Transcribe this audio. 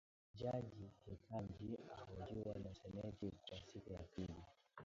Jaji Ketanji ahojiwa na seneti kwa siku ya pili.